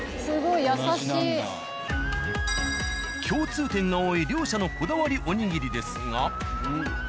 共通点が多い両社のこだわりおにぎりですが。